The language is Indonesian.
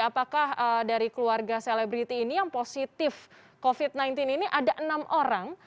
apakah dari keluarga selebriti ini yang positif covid sembilan belas ini ada enam orang